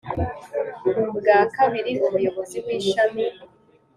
bwa kabiri Umuyobozi w Ishami